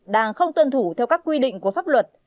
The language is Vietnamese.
đang không tuân thủ theo các quy định của pháp luật